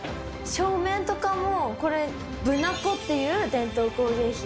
照明とかもこれブナコっていう伝統工芸品。